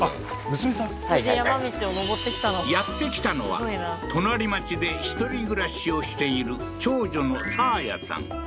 やって来たのは隣町で一人暮らしをしている長女の沙綾さん